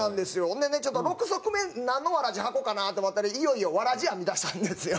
それでねちょっと６足目なんのわらじ履こうかなと思ったらいよいよわらじ編み出したんですよ